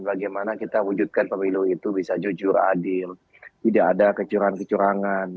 bagaimana kita wujudkan pemilu itu bisa jujur adil tidak ada kecurangan kecurangan